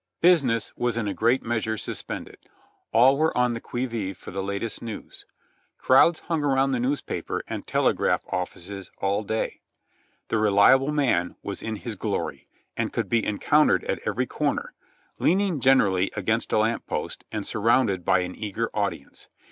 Business was in a great measure suspended, all were on the qui vive for the latest news. Crowds hung around the newspaper and telegraph offices all day. The "Reliable Man"' was in his glory, and could be encountered at every comer, leaning generally against a lamp post and surrounded by an eager audience.